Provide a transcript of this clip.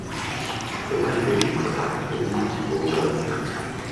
佢根本唔適合喺呢行到做